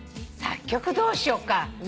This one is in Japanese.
作曲どうしようか。